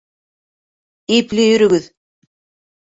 Ипле йөрөгөҙ.